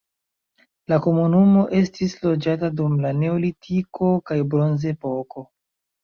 La komunumo estis loĝata dum la neolitiko kaj bronzepoko.